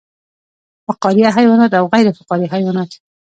فقاریه حیوانات او غیر فقاریه حیوانات